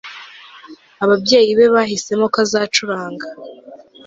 Ababyeyi be bahisemo ko azacuranga